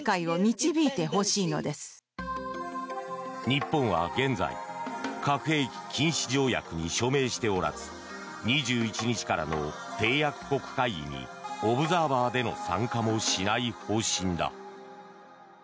日本は現在核兵器禁止条約に署名しておらず２１日からの締約国会議にオブザーバーでの参加もしない方針だ。